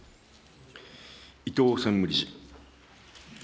伊藤専務理事。